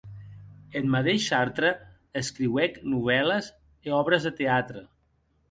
Eth madeish Sartre escriuec novèles e òbres de teatre.